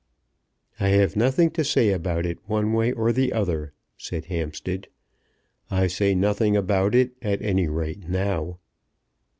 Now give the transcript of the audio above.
"I have nothing to say about it one way or the other," said Hampstead. "I say nothing about it, at any rate now."